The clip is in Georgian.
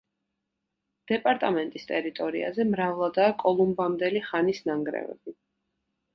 დეპარტამენტის ტერიტორიაზე მრავლადაა კოლუმბამდელი ხანის ნანგრევები.